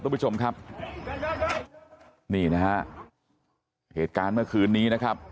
ทุกผู้ชมครับนี่นะฮะเหตุการณ์เมื่อคืนนี้นะครับ